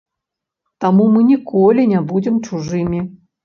Таму мы ніколі не будзем чужымі.